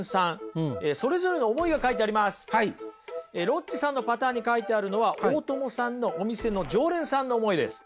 ロッチさんのパターンに書いてあるのは大友さんのお店の常連さんの思いです。